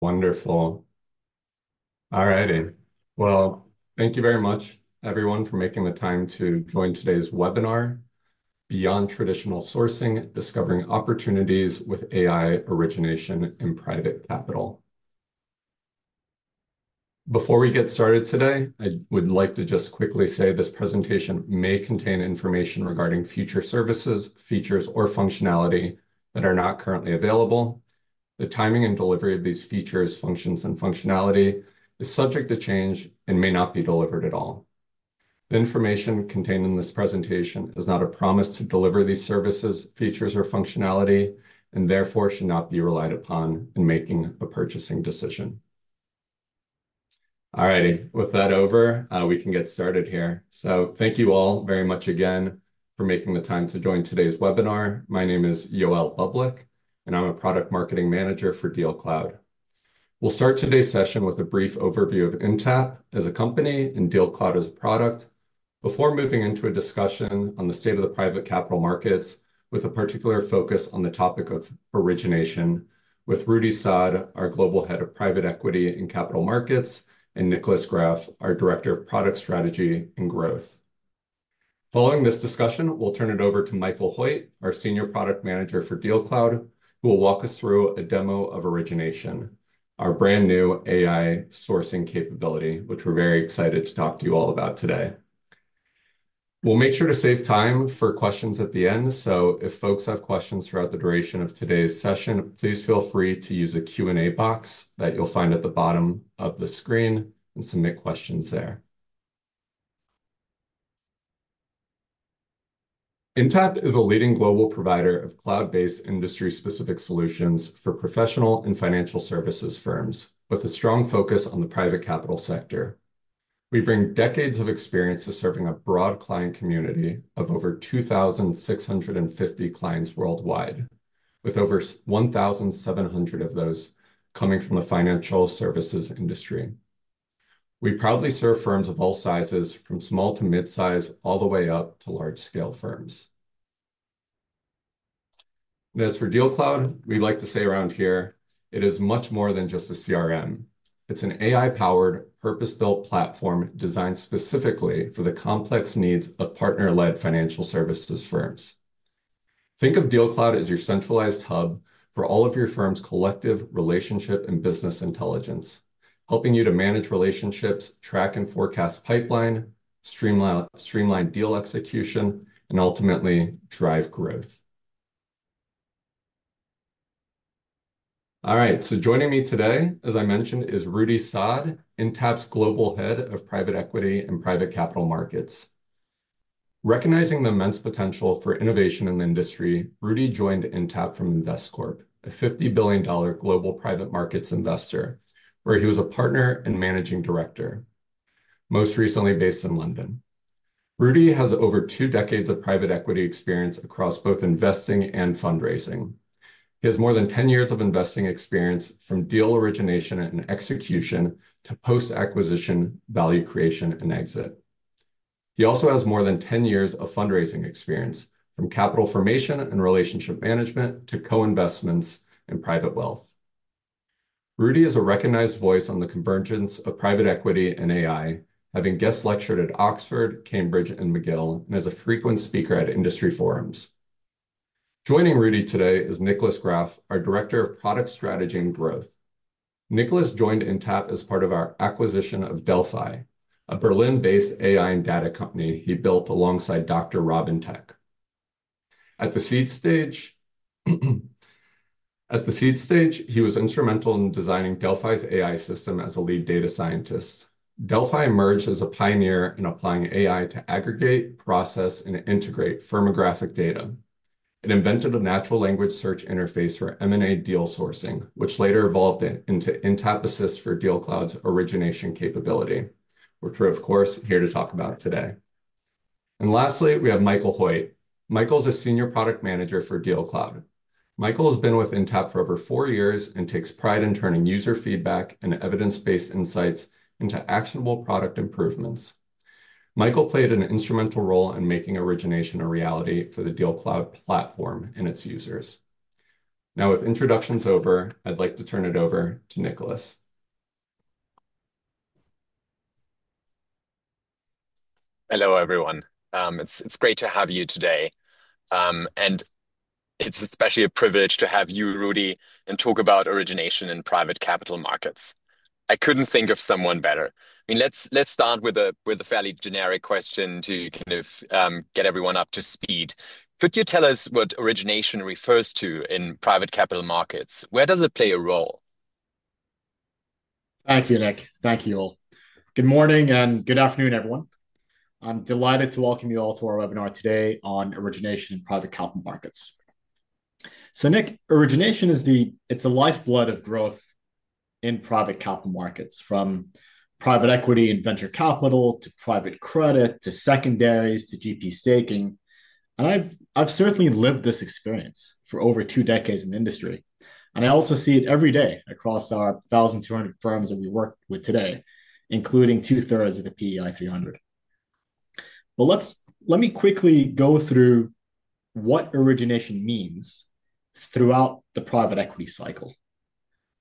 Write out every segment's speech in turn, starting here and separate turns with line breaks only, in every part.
Wonderful. All ready. Thank you very much everyone for making the time to join today's webinar. Beyond Traditional Sourcing: Discovering Opportunities with AI Origination in Private Capital. Before we get started today, I would like to just quickly say this presentation may contain information regarding future services, features, or functionality that are not currently available. The timing and delivery of these features, functions, and functionality is subject to change and may not be delivered at all. The information contained in this presentation is not a promise to deliver these services, features, or functionality and therefore should not be relied upon in making a purchasing decision. All right, with that over, we can get started here. Thank you all very much again for making the time to join today's webinar. My name is Yoel Bublick and I'm a Product Marketing Manager for DealCloud. We'll start today's session with a brief overview of Intapp as a company and DealCloud as a product before moving into a discussion on the state of the private capital markets with a particular focus on the topic of origination with Rudy Saad, our Global Head of Private Equity and Capital Markets, and Nicholas Graff, our Director of Product Strategy and Growth. Following this discussion, we'll turn it over to Michael Hoyt, our Senior Product Manager for DealCloud, who will walk us through a demo of Origination, our brand new AI sourcing capability which we're very excited to talk to you all about today. We'll make sure to save time for questions at the end, so if folks have questions throughout the duration of today's session, please feel free to use a Q&A box that you'll find at the bottom of the screen. Submit questions there. Intapp is a leading global provider of cloud-based, industry-specific solutions for professional and financial services firms with a strong focus on the private capital sector. We bring decades of experience to serving a broad client community of over 2,650 clients worldwide, with over 1,700 of those coming from the financial services industry. We proudly serve firms of all sizes, from small to midsize, all the way up to large-scale firms. As for DealCloud, we'd like to say around here it is much more than just a CRM. It's an AI-powered, purpose-built platform designed specifically for the complex needs of partner-led financial services firms. Think of DealCloud as your centralized hub for all of your firm's collective relationship and business intelligence, helping you to manage relationships, track and forecast pipeline, streamline deal execution, and ultimately drive growth. All right, so joining me today, as I mentioned, is Rudy Saad, Intapp's Global Head of Private Equity and Private Capital Markets. Recognizing the immense potential for innovation in the industry, Rudy joined Intapp from Investcorp, a $50 billion global private markets investor where he was a Partner and Managing Director. Most recently based in London, Rudy has over two decades of private equity experience across both investing and fundraising. He has more than 10 years of investing experience from deal origination and execution to post-acquisition, value creation and exit. He also has more than 10 years of fundraising experience from capital formation and relationship management to co-investments and private wealth. Rudy is a recognized voice on the convergence of private equity and AI, having guest lectured at Oxford, Cambridge and McGill, and as a frequent speaker at industry forums. Joining Rudy today is Nicholas Graff, our Director of Product Strategy and Growth. Nicholas joined Intapp as part of our acquisition of Delphi, a Berlin-based AI and data company he built alongside Dr. Robin Tech at the seed stage. He was instrumental in designing Delphi's AI system as a lead data scientist. Delphi emerged as a pioneer in applying AI to aggregate, process, and integrate firmographic data. It invented a natural language search interface for M&A deal sourcing which later evolved into Intapp Assist for DealCloud origination capability which we're of course here to talk about today. Lastly, we have Michael Hoyt. Michael's a Senior Product Manager for DealCloud. Michael has been with Intapp for over four years and takes pride in turning user feedback and evidence-based insights into actionable product improvements. Michael played an instrumental role in making origination a reality for the DealCloud platform and its users. Now, with introductions over, I'd like to turn it over to Nicholas.
Hello everyone. It's great to have you today and it's especially a privilege to have you, Rudy, and talk about origination in private capital markets. I couldn't think of someone better. I mean, let's start with a fairly generic question to kind of get everyone up to speed. Could you tell us what origination refers to in private capital markets? Where does it play a role?
All thank you, Nick. Thank you all. Good morning and good afternoon everyone. I'm delighted to welcome you all to our webinar today on origination in private capital markets. Nick, origination is the. It's the lifeblood of growth in private capital markets from private equity and venture capital to private credit to secondaries to GP staking. I've certainly lived this experience for over two decades in industry and I also see it every day across our 1,200 firms that we work with today, including two thirds of the PEI 300. Let me quickly go through what origination means throughout the private equity cycle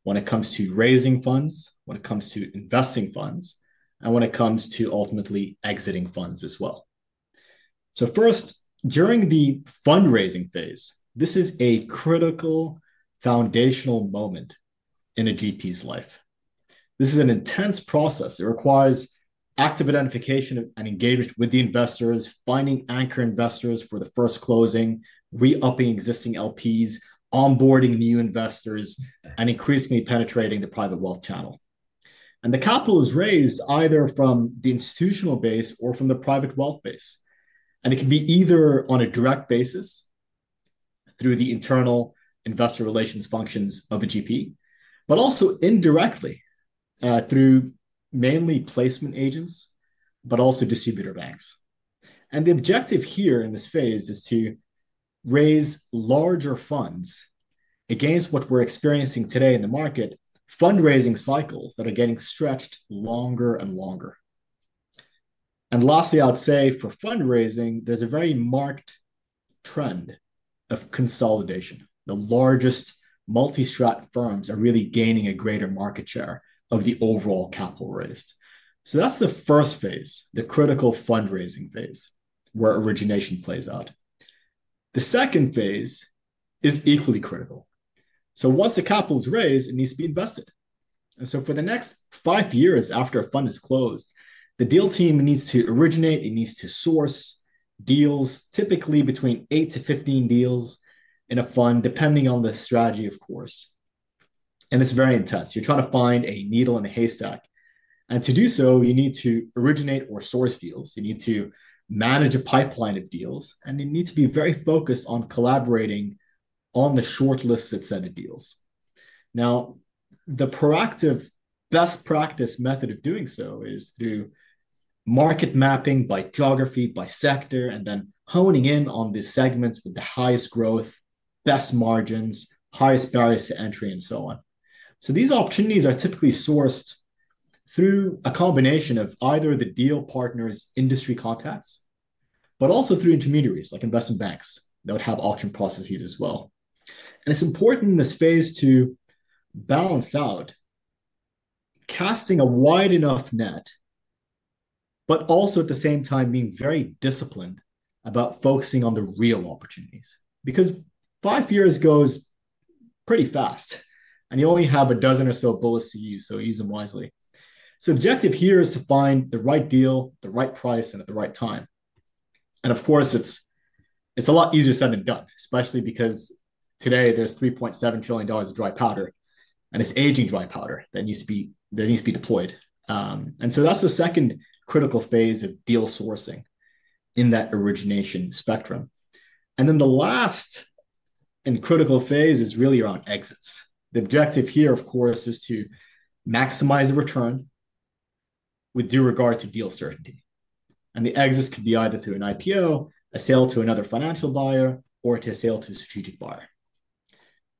when it comes to raising funds, when it comes to investing funds, and when it comes to ultimately exiting funds as well. First, during the fundraising phase, this is a critical foundational moment in a GP's life. This is an intense process. It requires active identification and engagement with the investors, finding anchor investors for the first closing, re-upping existing LPs, onboarding new investors, and increasingly penetrating the private wealth channel. The capital is raised either from the institutional base or from the private wealth base. It can be either on a direct basis through the internal investor relations functions of a GP, but also indirectly through mainly placement agents, but also distributor banks. The objective here in this phase is to raise larger funds against what we're experiencing today in the market. Fundraising cycles are getting stretched longer and longer. Lastly, I would say for fundraising, there's a very marked trend of consolidation. The largest multi strat firms are really gaining a greater market share of the overall capital raised. That's the first phase, the critical fundraising phase, where origination plays out. The second phase is equally critical. Once the capital is raised, it needs to be invested. For the next five years, after a fund is closed, the deal team needs to originate, it needs to source deals, typically between eight-15 deals in a fund, depending on the strategy, of course. It's very intense. You're trying to find a needle in a haystack, and to do so you need to originate or source deals, you need to manage a pipeline of deals, and you need to be very focused on collaborating on the shortlisted set of deals. Now, the proactive best practice method of doing so is through market mapping by geography, by sector, and then honing in on the segments with the highest growth, best margins, highest barriers to entry, and so on. These opportunities are typically sourced through a combination of either the deal partners, industry contacts, but also through intermediaries like investment banks that would have auction processes as well. It's important in this phase to balance out, casting a wide enough net, but also at the same time being very disciplined about focusing on the real opportunities, because five years goes pretty fast and you only have a dozen or so bullets to use, so use them wisely. The objective here is to find the right deal, the right price, and at the right time. Of course, it's a lot easier said than done, especially because today there's $3.7 trillion of dry powder and it's aging dry powder that needs to be deployed. That's the second critical phase of deal sourcing in that origination spectrum. The last and critical phase is really around exits. The objective here, of course, is to maximize the return with due regard to deal certainty. The exits could be either through an IPO, a sale to another financial buyer, or to a sale to a strategic buyer.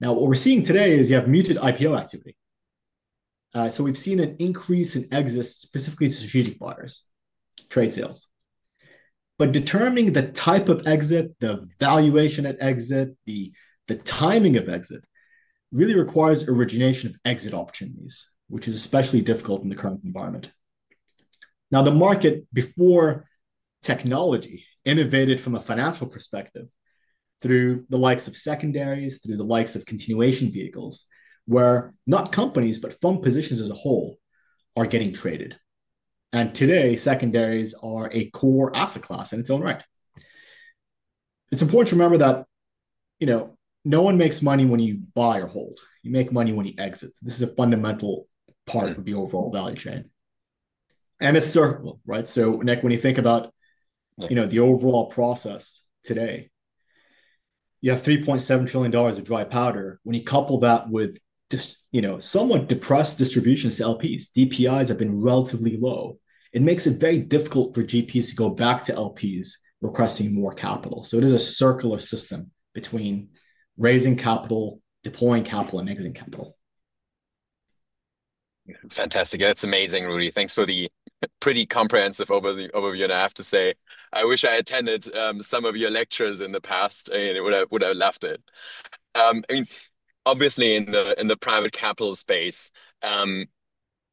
Now what we're seeing today is you have muted IPO activity. We've seen an increase in exits specifically to strategic buyers, trade sales. Determining the type of exit, the valuation at exit, the timing of exit really requires origination of exit opportunities, which is especially difficult in the current environment. The market before technology innovated from a financial perspective through the likes of secondaries, through the likes of continuation vehicles where not companies but fund positions as a whole are getting traded. Today secondaries are a core asset class in its own right. It's important to remember that no one makes money when you buy or hold, you make money when you exit. This is a fundamental part of the overall value chain and its circle. Right. Nick, when you think about the overall process, today you have $3.7 trillion of dry powder. When you couple that with just somewhat depressed distributions to LPs, DPIs have been relatively low. It makes it very difficult for GPs to go back to LPs requesting more capital. It is a circular system between raising capital, deploying capital and exiting capital.
Fantastic. That's amazing. Rudy, thanks for the pretty comprehensive overview. I have to say I wish I attended some of your lectures in the past. Would have left it, I mean obviously in the private capital space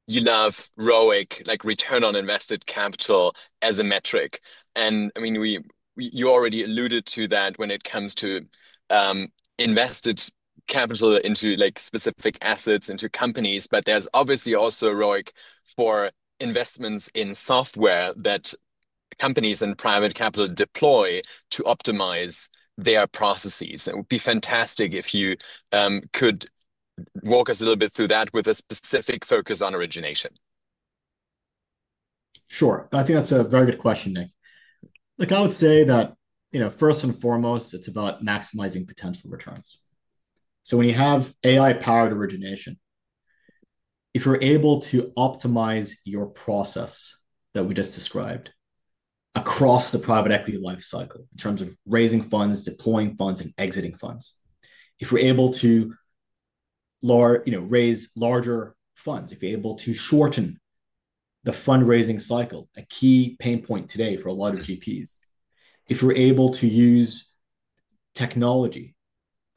you love ROIC, like return on invested capital as a metric, and I mean you already alluded to that when it comes to invested capital into specific assets, into companies. There's obviously also a ROIC for investments in software that companies and private capital deploy to optimize their processes. It would be fantastic if you could walk us a little bit through that with a specific focus on origination.
Sure. I think that's a very good question, Nick. I would say that, you know, first and foremost, it's about maximizing potential returns. So when you have AI-powered origination, if you're able to optimize your process that we just described across the private equity life cycle in terms of raising funds, deploying funds, and exiting funds, if we're able to, you know, raise larger funds, if you're able to shorten the fundraising cycle, a key pain point today for a lot of GPs. If we're able to use technology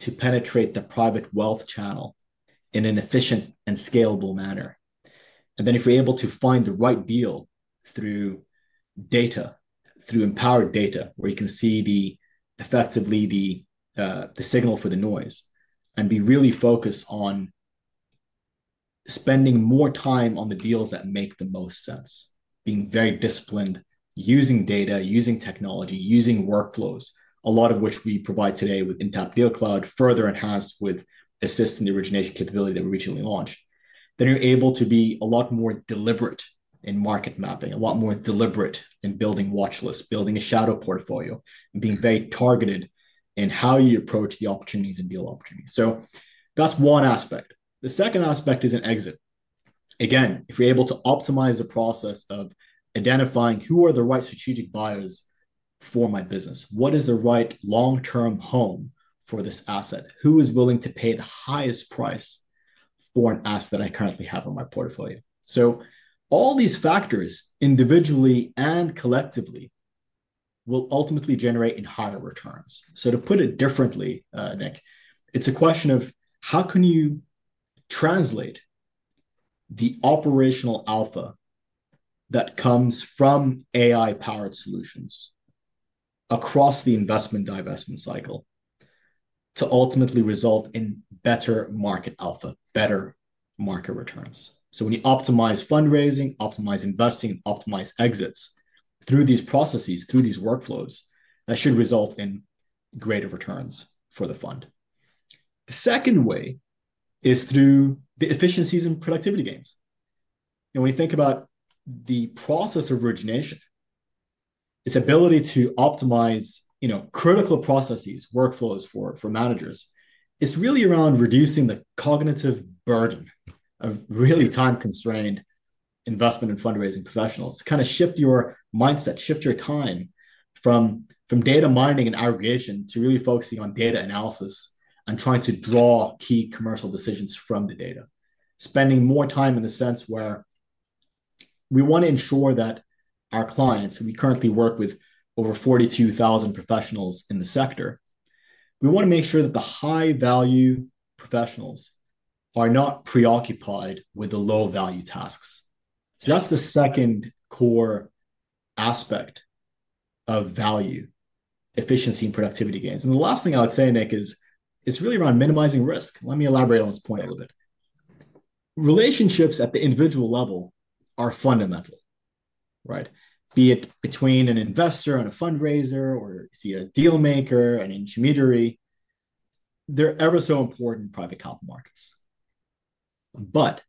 to penetrate the private wealth channel in an efficient and scalable manner and if we're able to find the right deal through data, through empowered data, where you can see effectively the signal for the noise and be really focused on spending more time on the deals that make the most sense, being very disciplined using data, using technology, using workflows, a lot of which we provide today with Intapp DealCloud, further enhanced with assisting the origination capability that we recently launched, you're able to be a lot more deliberate in market mapping, a lot more deliberate in building watch lists, building a shadow portfolio, being very targeted in how you approach the opportunities and deal opportunities. That is one aspect. The second aspect is an exit. Again, if you're able to optimize the process of identifying who are the right strategic buyers for my business, what is the right long term home for this asset, who is willing to pay the highest price for an asset I currently. Have in my portfolio. All these factors individually and collectively will ultimately generate in higher returns. To put it differently, Nick, it's a question of how can you translate the operational alpha that comes from AI powered solutions across the investment divestment cycle to ultimately result in better market alpha, better market returns. When you optimize fundraising, optimize investing, optimize exits through these processes, through these workflows, that should result in greater returns for the fund. The second way is through the efficiencies and productivity gains. We think about the process of origination, its ability to optimize critical processes, workflows for managers. It's really around reducing the cognitive burden of really time-constrained investment and fundraising professionals to kind of shift your mindset, shift your time from data mining and aggregation to really focusing on data analysis and trying to draw key commercial decisions from the data, spending more time in the sense where we want to ensure that our clients, we currently work with over 42,000 professionals in the sector, we want to make sure that the high-value professionals are not preoccupied with the low-value tasks. That is the second core aspect of value efficiency and productivity gains. The last thing I would say, Nick, is it's really around minimizing risk. Let me elaborate on this point a little bit. Relationships at the individual level are fundamental, right? Be it between an investor and a fundraiser, or see a deal maker, an intermediary, they're ever so important in private capital markets, but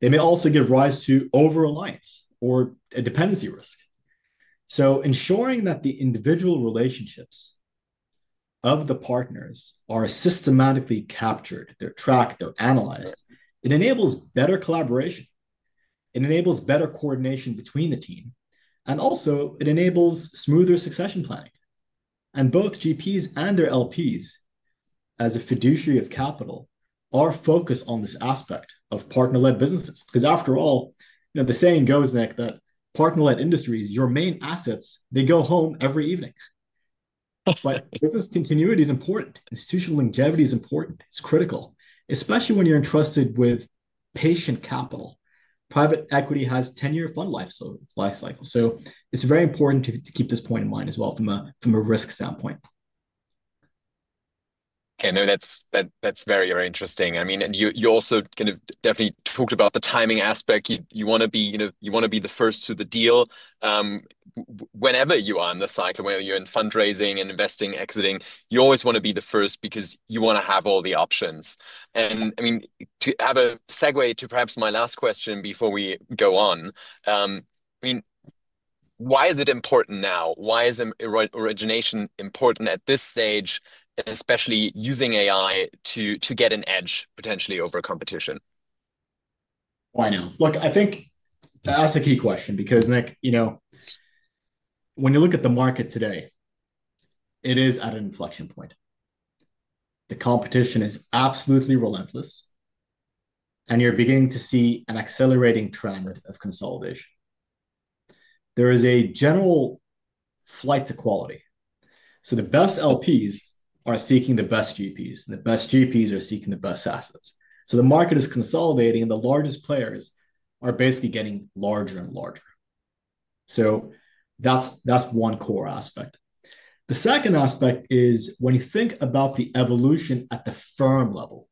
they may also give rise to over reliance or a dependency risk. Ensuring that the individual relationships of the partners are systematically captured, they're tracked, they're analyzed, it enables better collaboration, it enables better coordination between the team and also it enables smoother succession planning. Both GPs and their LPs as a fiduciary of capital are focused on this aspect of partner led businesses. After all, the saying goes, Nick, that in partner led industries, your main assets, they go home every evening. Business continuity is important. Institutional longevity is important. It's critical, especially when you're entrusted with patient capital. Private equity has a 10 year fund life, so life cycle. It's very important to keep this point in mind as well. From a risk standpoint.
Okay, no, that's very, very interesting. I mean, you also kind of definitely talked about the timing aspect. You want to be, you know, you want to be the first to the deal. Whenever you are in the cycle, whether you're in fundraising and investing exiting, you always want to be the first because you want to have all the options. I mean, to have a segue to perhaps my last question before we go on, I mean, why is it important now? Why is origination important at this stage, especially using AI to get an edge potentially over competition?
Why now? Look, I think that's a key question. Because, Nick, you know, when you look at the market today, it is at an inflection point. The competition is absolutely relentless and you're beginning to see an accelerating trend of consolidation. There is a general flight to quality. The best LPs are seeking the best GPs. The best GPs are seeking the best assets. The market is consolidating and the largest players are basically getting larger and larger. That's one core aspect. The second aspect is when you think about the evolution at the firm level,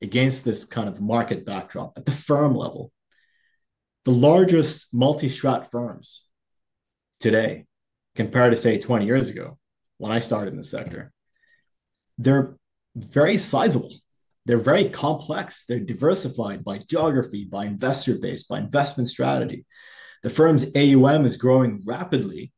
against this kind of market backdrop, at the firm level, the largest multi-strat firms today, compared to say 20 years ago when I started in the sector, they're very sizable, they're very complex, they're diversified by geography, by investor base, by investment strategy. The firm's AUM is growing rapidly,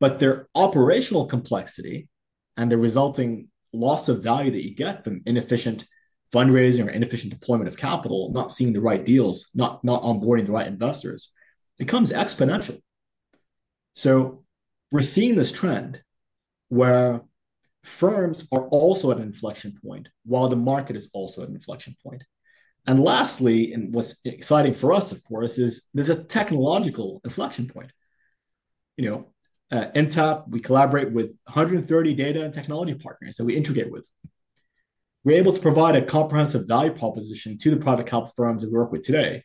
but their operational complexity and the resulting loss of value that you get from inefficient fundraising or inefficient deployment of capital, not seeing the right deals, not onboarding the right investors becomes exponential. We are seeing this trend where firms are also at an inflection point, while the market is also an inflection point. Lastly, and what's exciting for us, of course, is there's a technological inflection point, you know, Intapp, we collaborate with 130 data and technology partners that we integrate with. We are able to provide a comprehensive value proposition to the product help firms we work with today.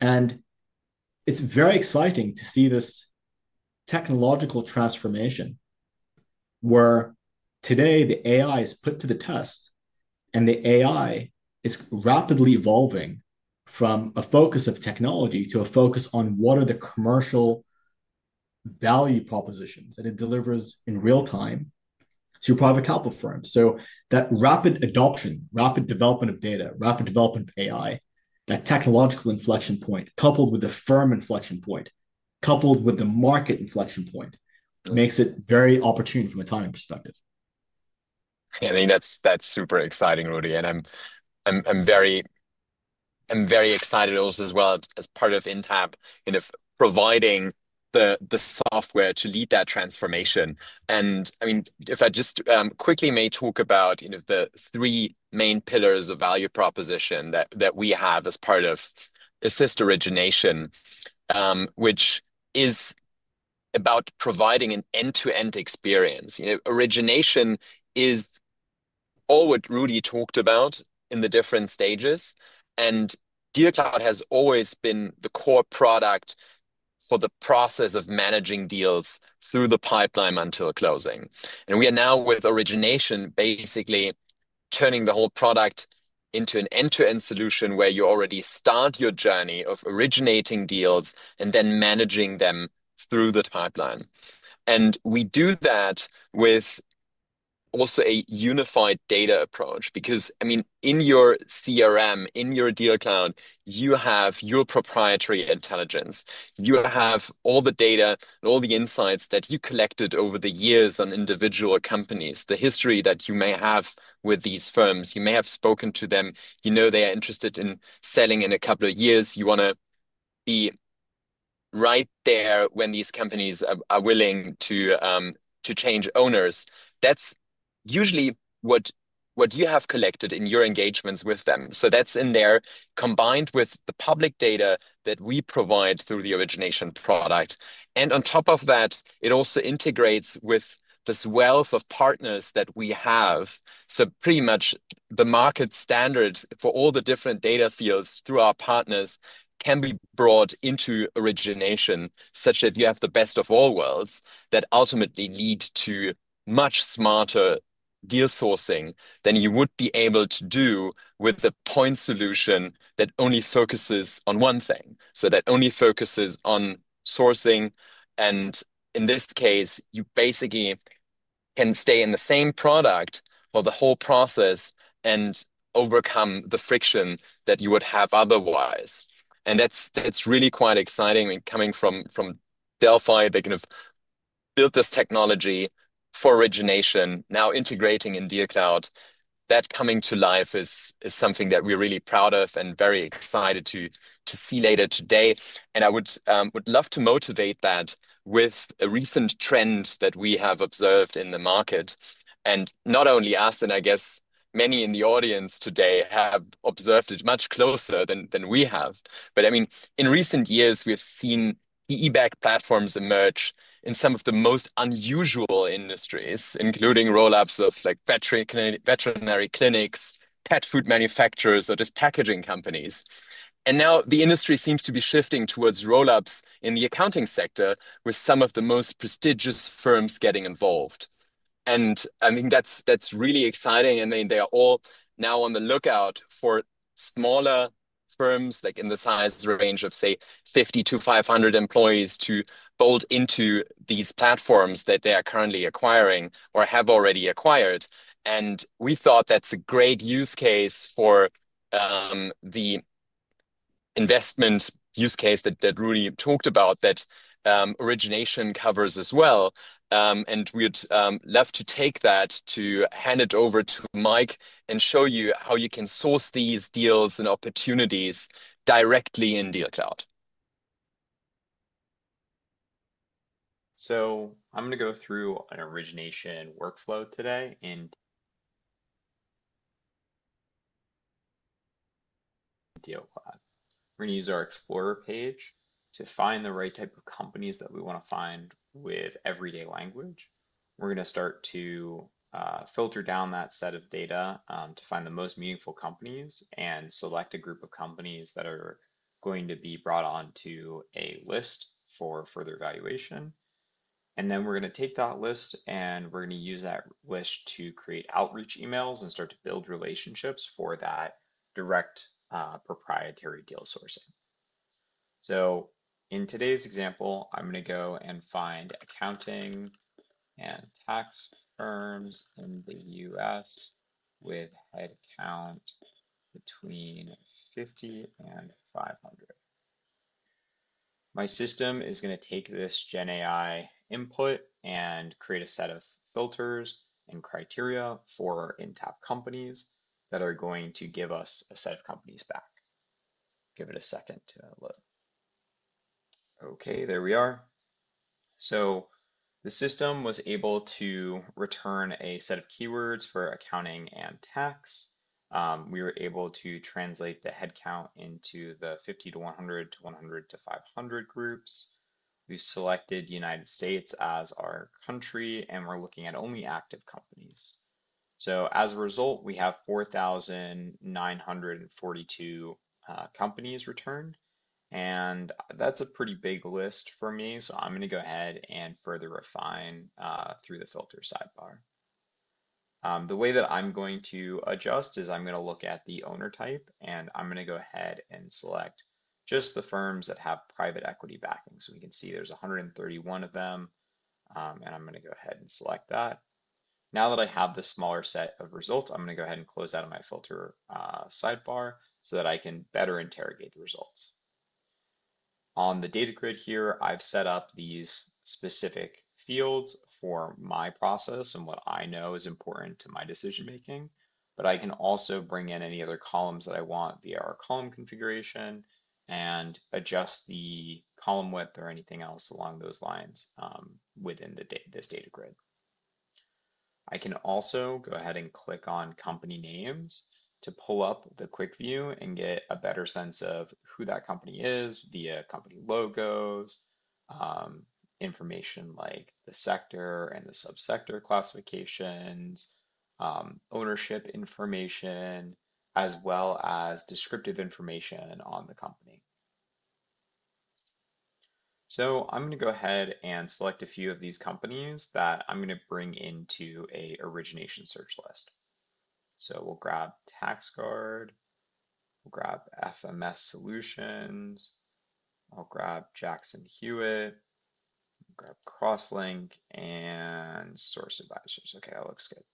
It is very exciting to see this technological transformation where today the AI is put to the test. The AI is rapidly evolving from a focus of technology to a focus on what are the commercial value propositions that it delivers in real time to private capital firms. That rapid adoption, rapid development of data, rapid development of AI, that technological inflection point coupled with the firm inflection point, coupled with the market inflection point makes it very opportune from a timing perspective.
I think that's super exciting, Rudy. I'm very excited also as well as part of Intapp providing the software to lead that transformation. I mean, if I just quickly may talk about the three main pillars of value proposition that we have as part of Assist Origination, which is about providing an end-to-end experience. Origination is all what Rudy talked about in the different stages. DealCloud has always been the core product for the process of managing deals through the pipeline until closing. We are now with Origination basically turning the whole product into an end-to-end solution where you already start your journey of originating deals and then managing them through the pipeline. We do that with also a unified data approach. Because I mean in your CRM, in your DealCloud, you have your proprietary intelligence, you have all the data and all the insights that you collected over the years on individual companies, the history that you may have with these firms, you may have spoken to them, you know they are interested in selling in a couple of years, you want to be right there. When these companies are willing to change owners, that's usually what you have collected in your engagements with them. That is in there combined with the public data that we provide through the Origination product. On top of that, it also integrates with this wealth of partners that we have. Pretty much the market standard for all the different data fields through our partners can be brought into Origination such that you have the best of all worlds that ultimately lead to much smarter deal sourcing than you would be able to do with the point solution that only focuses on one thing. That only focuses on sourcing. In this case you basically can stay in the same product for the whole process and overcome the friction that you would have otherwise. That is really quite exciting coming from Delphi, they kind of built this technology for Origination. Now integrating in DealCloud, that coming to life is something that we are really proud of and very excited to see later today. I would love to motivate that with a recent trend that we have observed in the market, and not only us, and I guess many in the audience today have observed it much closer than we have. I mean, in recent years we have seen PE-backed platforms emerge in some of the most unusual industries, including roll ups of veterinary clinics, pet food manufacturers, or just packaging companies. Now the industry seems to be shifting towards roll ups in the accounting sector, with some of the most prestigious firms getting involved. I think that's really exciting. They are all now on the lookout for smaller firms, like in the size range of, say, 50-500 employees, to bolt into these platforms that they are currently acquiring or have already acquired. We thought that's a great use case for the investment use case that Rudy talked about that Origination covers as well. We'd love to take that to hand it over to Mike and show you how you can source these deals and opportunities directly in DealCloud.
I'm going to go through an origination workflow today in DealCloud. We're going to use our Explorer page to find the right type of companies that we want to find with everyday language. We're going to start to filter down that set of data to find the most meaningful companies and select a group of companies that are going to be brought on to a list for further evaluation. We're going to take that list and we're going to use that list to create outreach emails and start to build relationships for that direct proprietary deal sourcing. In today's example, I'm going to go and find accounting and tax firms in the U.S. with headcount between 50 and 500. My system is going to take this GenAI input and create a set of filters and criteria for Intapp companies that are going to give us a set of companies back. Give it a second to look. Okay, there we are. The system was able to return a set of keywords for accounting and tax. We were able to translate the headcount into the 50-100 to 100-500 groups. We selected United States as our country and we're looking at only active companies. As a result we have 4,942 companies returned and that's a pretty big list for me. I'm going to go ahead and further refine through the filter sidebar. The way that I'm going to adjust is I'm going to look at the owner type and I'm going to go ahead and select just the firms that have private equity backing, so we can see there's 131 of them. I'm going to go ahead and select that. Now that I have the smaller set of results, I'm going to go ahead and close out of my filter sidebar so that I can better interrogate the results on the data grid here. I've set up these specific fields for my process and what I know is important to my decision making. I can also bring in any other columns that I want via our column configuration and adjust the column width or anything else along those lines within this data grid. I can also go ahead and click on company names to pull up the quick view and get a better sense of who that company is via company logos, information like the sector and the subsector classifications, ownership information as well as descriptive information on the company. I'm going to go ahead and select a few of these companies that I'm going to bring into a origination search list. We'll grab Tax Guard, we'll grab FMS Solutions, I'll grab Jackson Hewitt, grab Crosslink and Source Advisors. Okay, that looks good.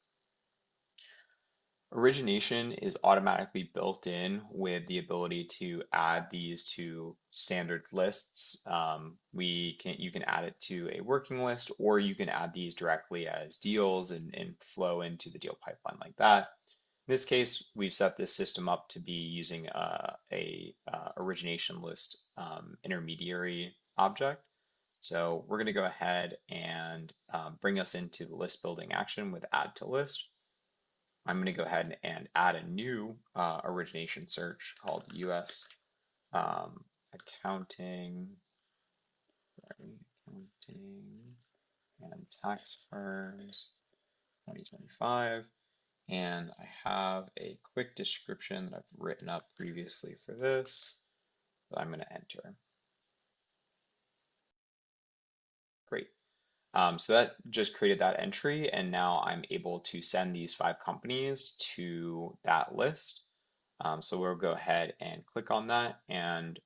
Origination is automatically built in with the ability to add these to standard lists. You can add it to a working list or you can add these directly as deals and flow into the deal pipeline like that. In this case, we've set this system up to be using a origination list intermediary object. We're going to go ahead and bring us into the list. Building action with add to list. I'm going to go ahead and add a new origination search called US accounting and tax firms 2025. I have a quick description that I've written up previously for this that I'm going to enter. Great. That just created that entry and now I'm able to send these five companies to that list. We'll go ahead and click on that and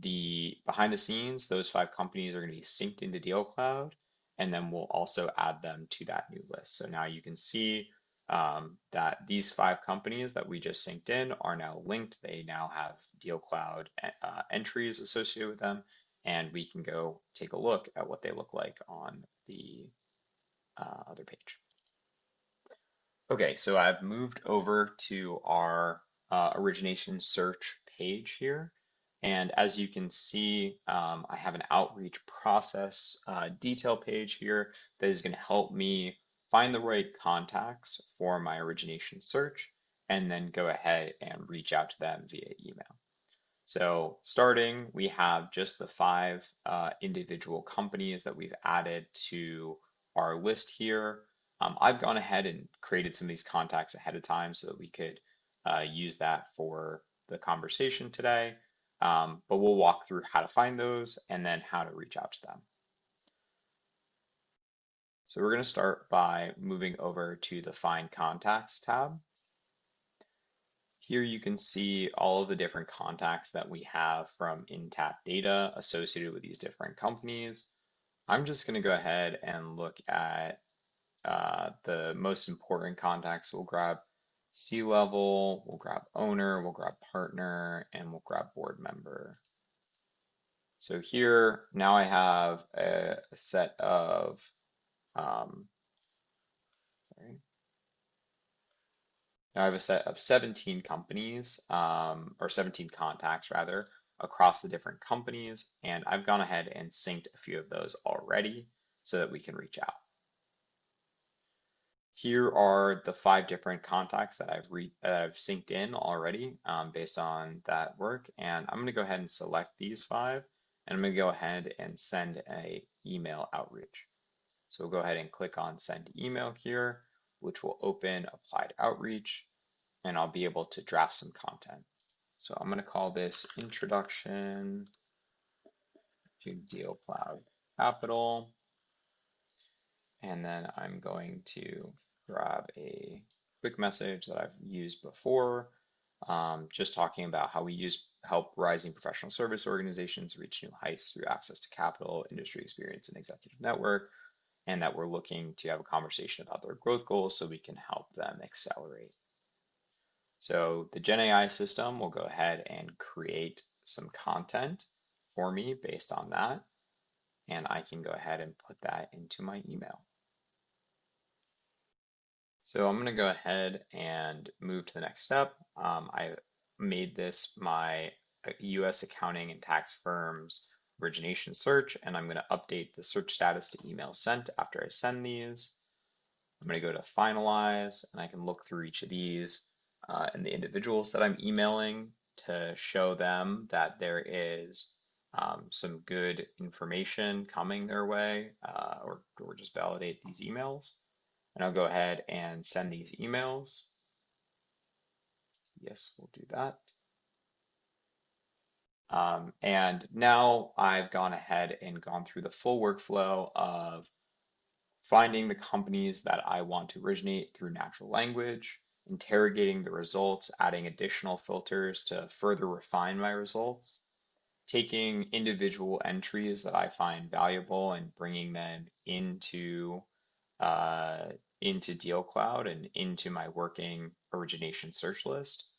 behind the scenes, those five companies are going to be synced into DealCloud and then we'll also add them to that new list. Now you can see that these five companies that we just synced in are now linked. They now have DealCloud entries associated with them and we can go take a look at what they look like on the other page. Okay, so I've moved over to our origination search page here and as you can see I have an outreach process detail page here that is going to help me find the right contacts for my origination search and then go ahead and reach out to them via email. Starting, we have just the five individual companies that we've added to our list here. I've gone ahead and created some of these contacts ahead of time so that we could use that for the conversation today. But we'll walk through how to find those and then how to reach out to them. We're going to start by moving over to the Find Contacts tab. Here you can see all of the different contacts that we have from Intapp data associated with these different companies. I'm just going to go ahead and look at the most important contacts. We'll grab C-level, we'll grab owner, we'll grab partner, and we'll grab board member. Here now I have a set of 17 contacts across the different companies and I've gone ahead and synced a few of those already so that we can reach out. Here are the five different contacts that I've synced in already based on that work and I'm going to go ahead and select these five and I'm going to go ahead and send an email outreach. Go ahead and click on Send email here which will open applied outreach and I'll be able to draft some content. I'm going to call this Introduction to DealCloud Capital and then I'm going to grab a quick message that I've used before just talking about how we help rising professional service organizations reach new heights through access to capital, industry experience, and executive network and that we're looking to have a conversation about their growth goals so we can help them accelerate. The gen system will go ahead and create some content for me based on that and I can go ahead and put that into my email. I'm going to go ahead and move to the next step. I made this my US Accounting and tax firm's origination search and I'm going to update the search status to email sent. After I send these, I'm going to go to finalize and I can look through each of these and the individuals that I'm emailing to show them that there is some good information coming their way or just validate these emails and I'll go ahead and send these emails. Yes, we'll do that. Now I've gone ahead and gone through the full workflow of finding the companies that I want to originate through natural language, interrogating the results, adding additional filters to further refine my results, taking individual entries that I find valuable and bringing them into DealCloud and into my working origination search list,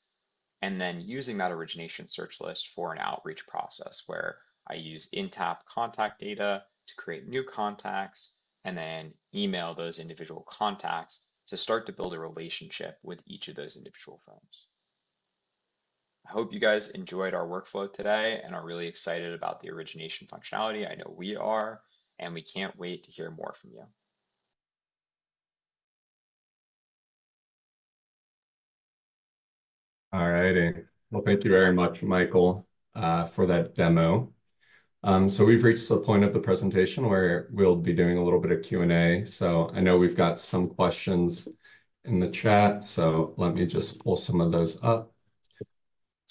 and then using that origination search list for an outreach process where I use Intapp contact data to create new contacts and then email those individual contacts to start to build a relationship with each of those individual firms. I hope you guys enjoyed our workflow today and are really excited about the origination functionality. I know we are, and we can't wait to hear more from you.
All righty. Thank you very much, Michael, for that demo. We have reached the point of the presentation where we will be doing a little bit of Q and A. I know we have some questions in the chat, so let me just pull some of those up.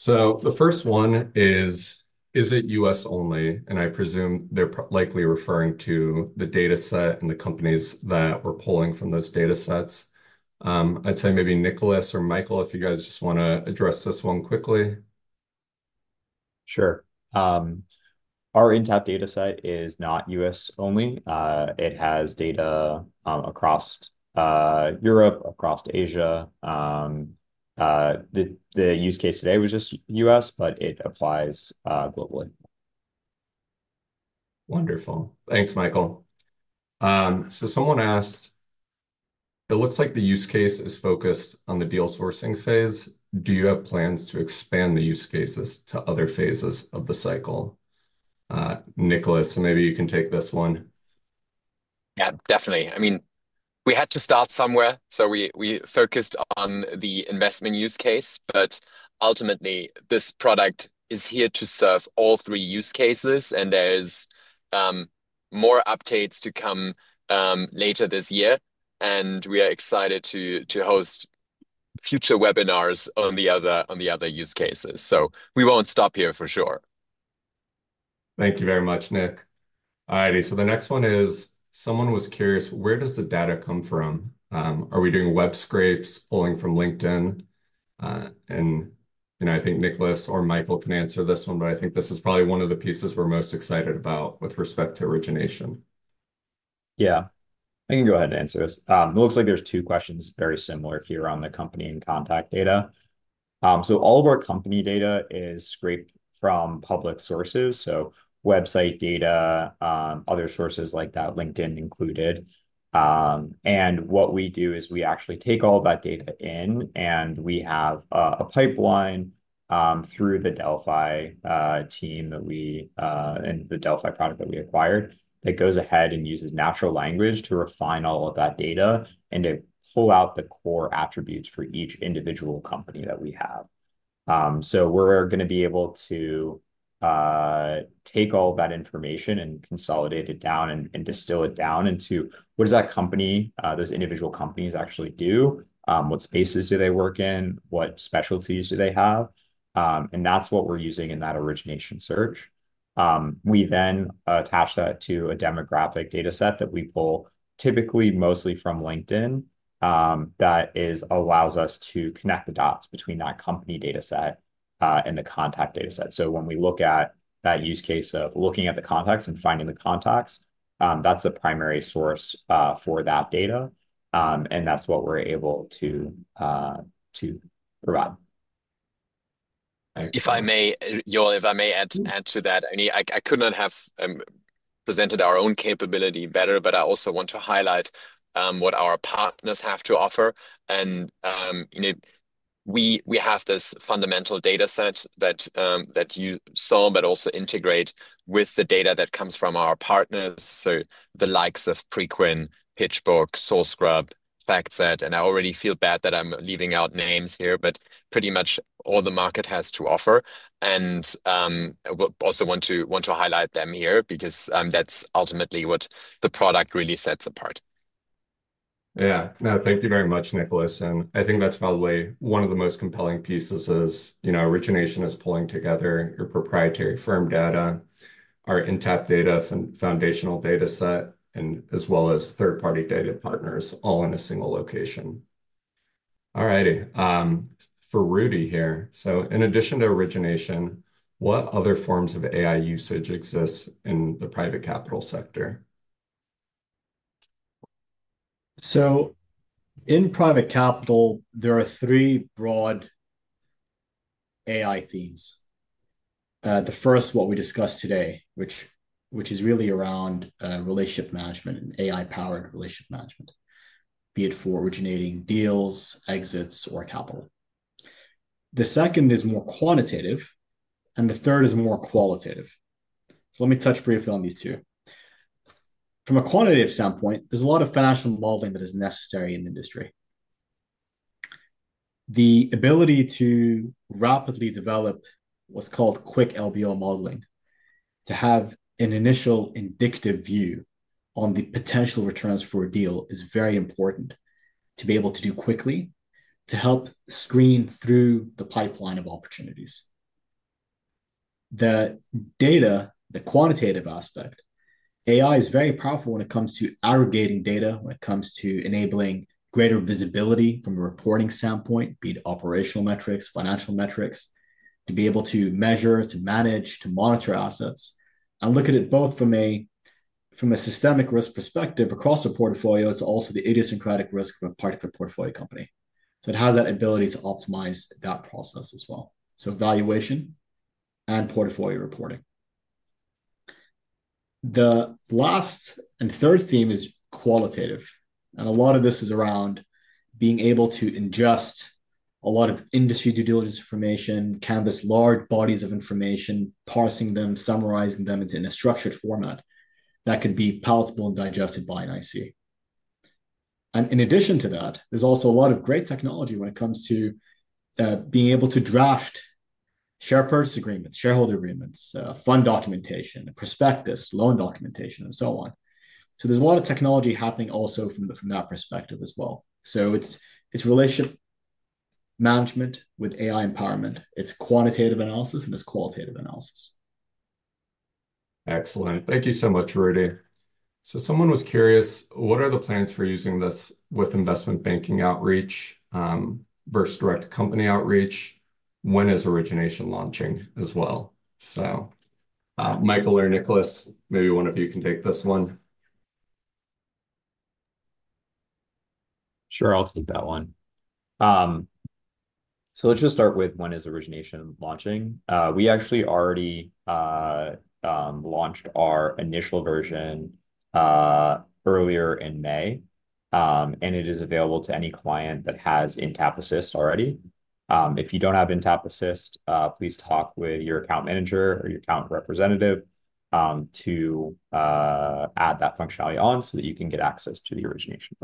The first one is, is it U.S. only? I presume they are likely referring to the data set and the companies that we are pulling from those data sets. I would say maybe Nicholas or Michael, if you guys just want to address this one quickly.
Sure. Our Intapp data set is not U.S. only. It has data across Europe, across Asia. The use case today was just U.S., but it applies globally.
Wonderful. Thanks, Michael. Someone asked, it looks like the use case is focused on the deal sourcing phase. Do you have plans to expand the use cases to other phases of the cycle? Nicholas, maybe you can take this one.
Yeah, definitely. I mean, we had to start somewhere, so we focused on the investment use case. Ultimately this product is here to serve all three use cases and there are more updates to come later this year. We are excited to host future webinars on the other use cases. We will not stop here for sure.
Thank you very much, Nick. Alrighty. The next one is, someone was curious, where does the data come from? Are we doing web scrapes, pulling from LinkedIn? I think Nicholas or Michael can answer this one, but I think this is probably one of the pieces we're most excited about with respect to origination.
Yeah, I can go ahead and answer this. It looks like there's two questions very similar here on the company and contact data. All of our company data is scraped from public sources, so website data, other sources like that, LinkedIn included. What we do is we actually take all that data in and we have a pipeline through the Delphi team and the Delphi product that we acquired that goes ahead and uses natural language to refine all of that data and to pull out the core attributes for each individual company that we have. We're going to be able to take all that information and consolidate it down and distill it down into what does that company, those individual companies actually do, what spaces do they work in, what specialties do they have? That's what we're using in that origination search. We then attach that to a demographic data set that we pull typically mostly from LinkedIn. That allows us to connect the dots between that company data set and the contact data set. When we look at that use case of looking at the contacts and finding the contacts, that's the primary source for that data and that's what we're able to provide.
If I may, Yoel, if I may add to that, I could not have presented our own capability better, but I also want to highlight what our partners have to offer and we have this fundamental data set that you saw but also integrate with the data that comes from our partners. So the likes of Preqin, PitchBook, SourceScrub, FactSet, and I already feel bad that I'm leaving out names here, but pretty much all the market has to offer. I also want to highlight them here because that's ultimately what the product really sets apart.
Yeah, no, thank you very much, Nicholas. I think that's probably one of the most compelling pieces is, you know, origination is pulling together your proprietary firm data, our Intapp data, foundational data set, and as well as third party data partners, all in a single location. All right, for Rudy here, so in addition to origination, what other forms of AI usage exists in the private capital sector?
In private capital there are three broad AI themes. The first, what we discussed today, which is really around relationship management and AI powered relationship management, be it for originating deals, exits or capital. The second is more quantitative and the third is more qualitative. Let me touch briefly on these two. From a quantitative standpoint, there's a lot of financial evolving that is necessary in the industry. The ability to rapidly develop what's called quick LBO modeling, to have an initial indicative view on the potential returns for a deal, is very important to be able to do quickly to help screen through the pipeline of opportunities. The data, the quantitative aspect. AI is very powerful when it comes to aggregating data. When it comes to enabling greater visibility from a reporting standpoint, be it operational metrics, financial metrics, to be able to measure, to manage, to monitor assets and look at it both from a, from a systemic risk perspective across a portfolio, it's also the idiosyncratic risk of a particular portfolio company. It has that ability to optimize that process as well. Valuation and portfolio reporting. The last and third theme is qualitative and a lot of this is around being able to ingest a lot of industry due diligence, information canvas, large bodies of information, parsing them, summarizing them in a structured format that could be palatable and digested by an IC. In addition to that, there's also a lot of great technology when it comes to being able to draft, share purchase agreements, shareholder agreements, fund documentation, prospectus, loan documentation, and so on. There's a lot of technology happening also from that perspective as well. It's relationship management with AI empowerment, it's quantitative analysis and it's qualitative analysis.
Excellent. Thank you so much, Rudy. Someone was curious, what are the plans for using this with investment banking outreach versus direct company outreach? When is origination launching as well? Michael or Nicholas, maybe one of you can take this one.
Sure, I'll take that one. Let's just start with when is Origination launching? We actually already launched our initial version earlier in May and it is available to any client that has Intapp Assist already. If you don't have Intapp Assist, please talk with your account manager or your account representative to add that functionality on so that you can get access to the origination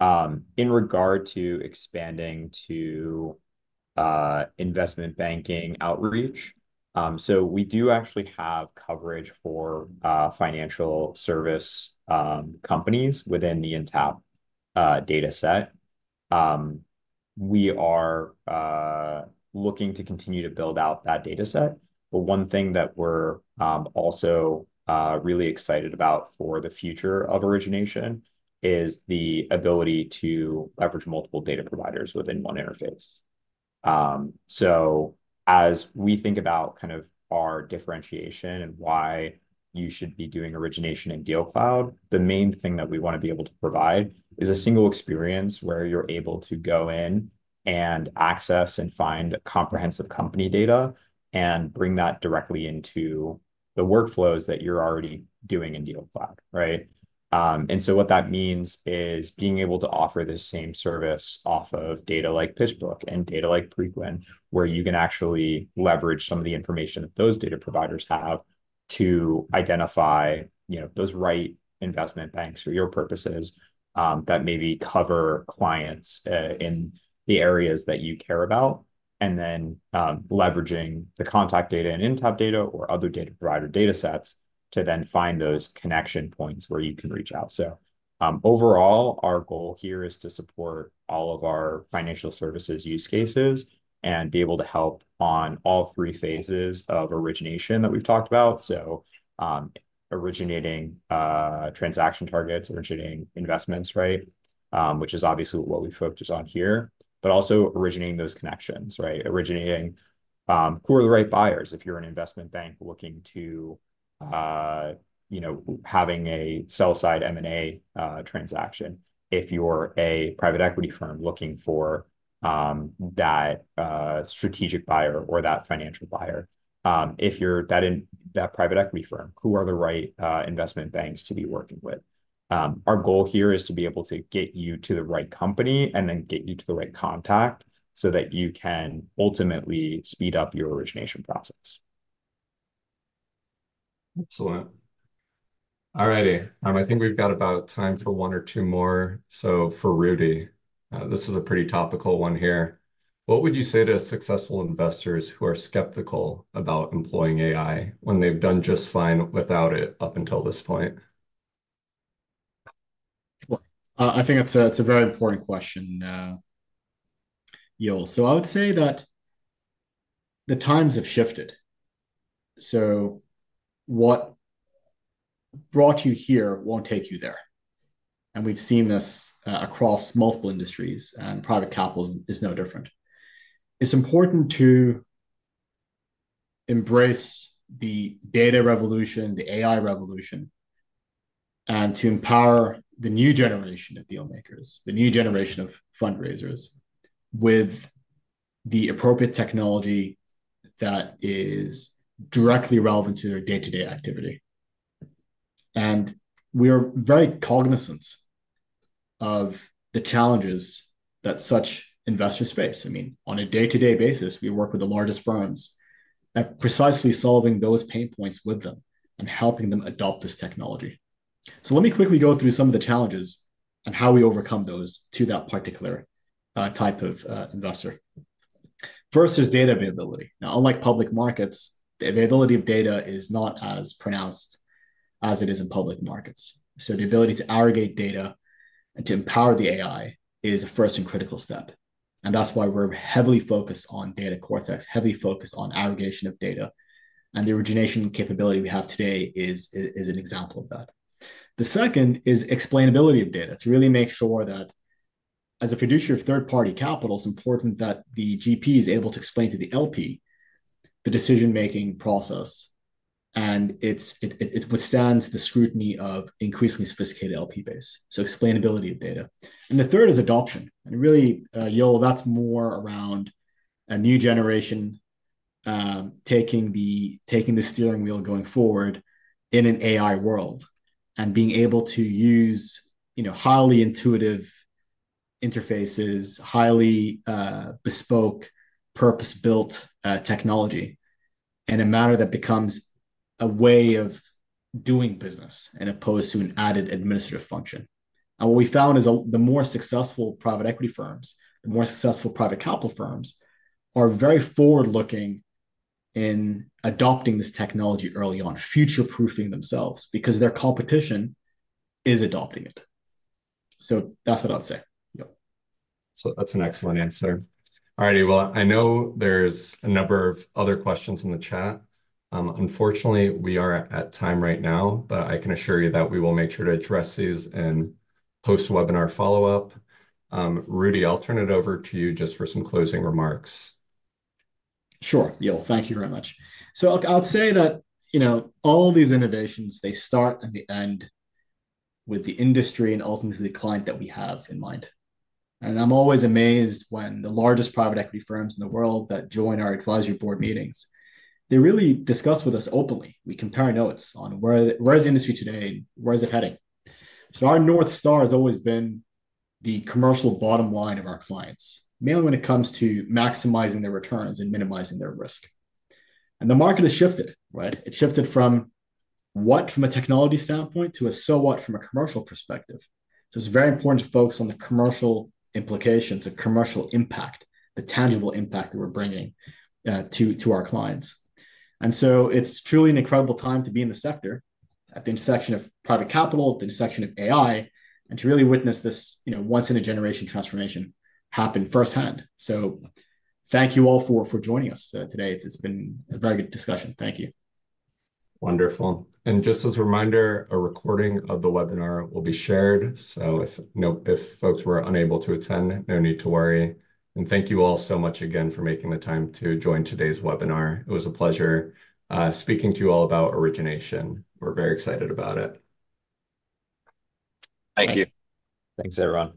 functionality. In regard to expanding to investment banking outreach, we do actually have coverage for financial service companies within the Intapp data set. We are looking to continue to build out that data set. One thing that we're also really excited about for the future of Origination is the ability to leverage multiple data providers within one interface. As we think about kind of our differentiation and why you should be doing origination in DealCloud, the main thing that we want to be able to provide is a single experience where you're able to go in and access and find comprehensive company data and bring that directly into the workflows that you're already doing in DealCloud. Right. What that means is being able to offer this same service off of data like PitchBook and data like Preqin, where you can actually leverage some of the information that those data providers have to identify, you know, those right investment banks for your purposes that maybe cover clients in the areas that you care about and then leveraging the contact data and Intapp data or other data provider data sets to then find those connection points where you can reach out. Overall, our goal here is to support all of our financial services use cases and be able to help on all three phases of origination that we've talked about. Originating transaction targets, originating investments, right, which is obviously what we focus on here, but also originating those connections. Right, originating who are the right buyers? If you're an investment bank looking to, you know, having a sell-side M&A transaction, if you're a private equity firm looking for that strategic buyer or that financial buyer, if you're that in that private equity firm, who are the right investment banks to be working with? Our goal here is to be able to get you to the right company and then get you to the right contact so that you can ultimately speed up your origination process.
Excellent. All righty. I think we've got about time for one or two more. So for Rolling Rudy, this is a pretty topical one here. What would you say to successful investors who are skeptical about employing AI when they've done just fine without it up until this point?
I think it's a very important question, Yoel. I would say that the times have shifted. What brought you here won't take you there. We've seen this across multiple industries and private capital is no different. It's important to embrace the data revolution, the AI revolution, and to empower the new generation of dealmakers, the new generation of fundraisers with the appropriate technology that is directly relevant to their day to day activity. We are very cognizant of the challenges that such investors face. I mean, on a day-to-day basis we work with the largest firms at precisely solving those pain points with them and helping them adopt this technology. Let me quickly go through some of the challenges and how we overcome those to that particular type of investor. First is data availability. Now, unlike public markets, the availability of data is not as pronounced as it is in public markets. The ability to aggregate data and to empower the AI is a first and critical step. That is why we're heavily focused on data cortex. Heavy focus on aggregation of data and the origination capability we have today is an example of that. The second is explainability of data to really make sure that as a fiduciary of third party capital, it's important that the GP is able to explain to the LP the decision making process and it withstands the scrutiny of increasingly sophisticated LP base. Explainability of data. The third is adoption. Really, Yoel, that's more around a new generation taking the steering wheel going forward in an AI world and being able to use highly intuitive interfaces, highly bespoke, purpose-built technology in a manner that becomes a way of doing business as opposed to an added administrative function. What we found is the more successful private equity firms, the more successful private capital firms are very forward-looking in adopting this technology early on, future-proofing themselves because their competition is adopting it. That's what I'd say.
That's an excellent answer. Alrighty. I know there's a number of other questions in the chat. Unfortunately, we are at time right now, but I can assure you that we will make sure to address these in post webinar follow up. Rudy, I'll turn it over to you just for some closing remarks.
Sure. Yoel, thank you very much. I'd say that, you know, all these innovations, they start and end with the industry and ultimately the client that we have in mind. I'm always amazed when the largest private equity firms in the world that join our advisory board meetings, they really discuss with us openly. We compare notes on where, where is the industry today? Where is it heading? Our North Star has always been the commercial bottom line of our clients, mainly when it comes to maximizing their returns and minimizing their risk. The market has shifted, right? It shifted from what from a technology standpoint to a. So what from a commercial perspective. It's very important to focus on the commercial implications of commercial impact, the tangible impact that we're bringing to our clients. It is truly an incredible time to be in the sector at the intersection of private capital, at the intersection of AI, and to really witness this once in a generation transformation happen firsthand. Thank you all for joining us today. It has been a very good discussion. Thank you.
Wonderful. Just as a reminder, a recording of the webinar will be shared, so if folks were unable to attend, no need to worry. Thank you all so much again for making the time to join today's webinar. It was a pleasure speaking to you all about origination. We are very excited about it.
Thank you.
Thanks everyone.